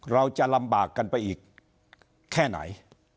เราจะลำบากกันไปอีกแค่ไหน